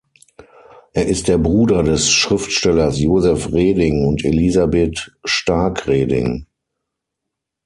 Er ist der Bruder des Schriftstellers Josef Reding und Elisabeth Stark-Reding.